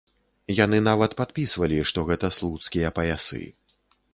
Яны нават падпісвалі, што гэта слуцкія паясы.